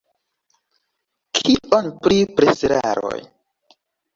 Kion pri preseraroj?